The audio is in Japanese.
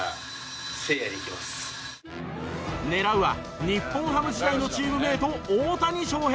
狙うは日本ハム時代のチームメート大谷翔平。